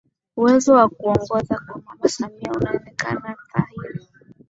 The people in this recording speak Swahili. Uwezo wa kuongoza wa mama Samia ulionekana dhahiri